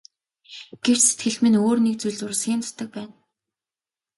Гэвч сэтгэлд минь өөр нэг гэрэл зурсхийн тусдаг байна.